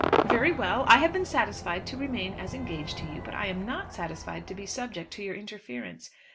"Very well; I have been satisfied to remain as engaged to you; but I am not satisfied to be subject to your interference."